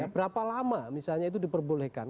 berapa lama misalnya itu diperbolehkan